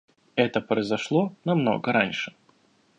Это произошло намного раньше.